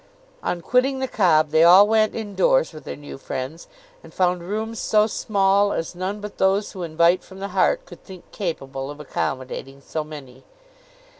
On quitting the Cobb, they all went in doors with their new friends, and found rooms so small as none but those who invite from the heart could think capable of accommodating so many.